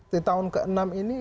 di tahun ke enam ini